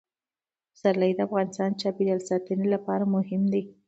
پسرلی د افغانستان د چاپیریال ساتنې لپاره مهم دي.